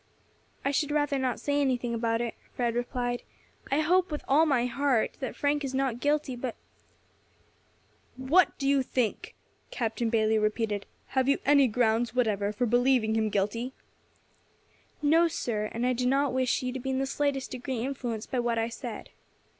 "I should rather not say anything about it," Fred replied. "I hope with all my heart that Frank is not guilty, but " "What do you think?" Captain Bayley repeated; "have you any grounds whatever for believing him guilty?" "No, sir, and I do not wish you to be in the slightest degree influenced by what I said."